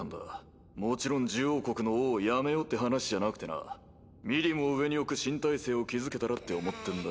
もちろん獣王国の王を辞めようって話じゃなくてなミリムを上に置く新体制を築けたらって思ってんだよ。